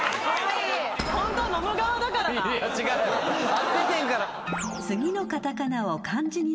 合っててんから。